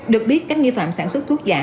được biết các nghi phạm sản xuất thuốc giả